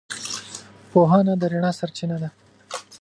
پوهه د رڼا سرچینه ده.